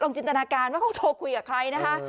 จินตนาการว่าเขาโทรคุยกับใครนะคะ